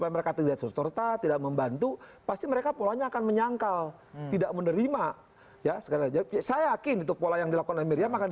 ya pasti polanya namanya dakwaan